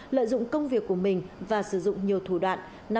lợi dụng công việc của mình và sử dụng nhiều thủ đoạn